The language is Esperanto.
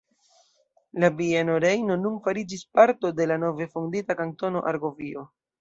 La Bieno Rejno nun fariĝis parto de la nove fondita Kantono Argovio.